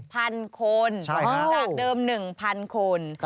จากเดิม๑๐๐๐คน